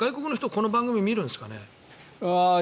この番組見るんですかね。